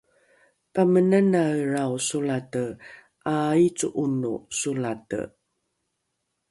pamenanaelrao solate ’aaico’ono solate